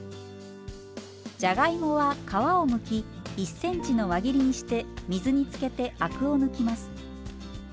じゃがいもは皮をむき１ｃｍの輪切りにして水につけてアクを抜きます。